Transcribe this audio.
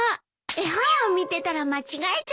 絵本を見てたら間違えちゃった。